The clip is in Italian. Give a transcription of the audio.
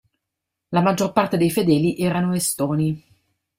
La maggior parte dei fedeli erano estoni.